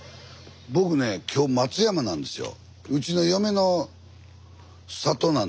僕ねえ今日松山なんですよ。